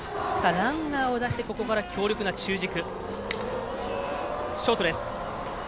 ランナーを出してここから強力な中軸。